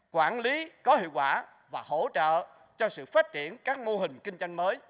quản lý có hiệu quả và hỗ trợ cho sự phát triển các mô hình kinh doanh mới